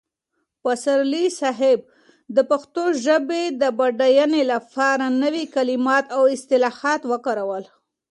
پسرلي صاحب د پښتو ژبې د بډاینې لپاره نوي کلمات او اصطلاحات وکارول.